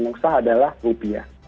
yang sah adalah rupiah